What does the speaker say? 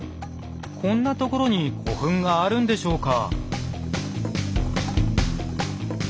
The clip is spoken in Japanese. こんなところに古墳があるんでしょうか？